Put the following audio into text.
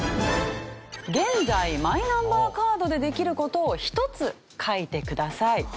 現在マイナンバーカードでできる事を１つ書いてください。